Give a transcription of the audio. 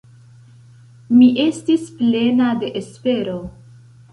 Mi estis plena de espero.